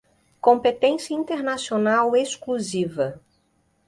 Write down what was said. competência internacional exclusiva